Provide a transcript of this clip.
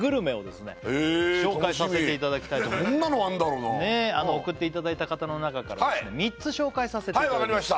楽しみ紹介させていただきたいとどんなのあんだろうなね送っていただいた方の中から３つ紹介させていただきます